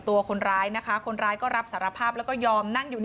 ตัวคนร้ายนะคะคนร้ายก็รับสารภาพแล้วก็ยอมนั่งอยู่